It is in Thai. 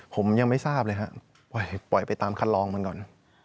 ผมยังไม่ทราบเลยครับปล่อยไปตามคันลองมันก่อน